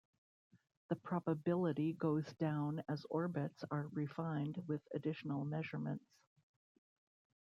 The probability goes down as orbits are refined with additional measurements.